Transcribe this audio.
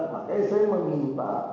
maka saya meminta